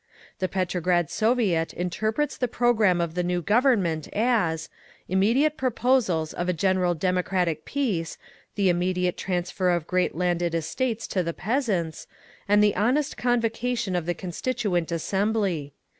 "The Petrograd Soviet interprets the programme of the new Government as: immediate proposals of a general democratic peace, the immediate transfer of great landed estates to the peasants, and the honest convocation of the Constituent Assembly.